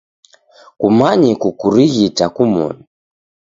Kumanye kukurighita kumoni.